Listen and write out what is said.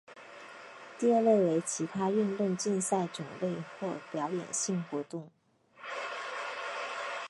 第二类为其他运动竞赛种类或表演性活动。